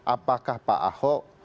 apakah pak ahok